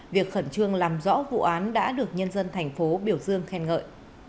việc khẩn trương làm rõ vụ án đã được nhân dân thành phố biểu dương khen ngợi